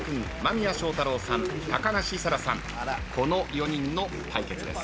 この４人の対決です。